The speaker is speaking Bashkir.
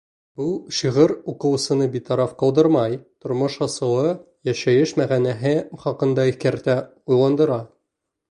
Был шиғыр уҡыусыны битараф ҡалдырмай, тормош асылы, йәшәйеш мәғәнәһе хаҡында иҫкәртә, уйландыра.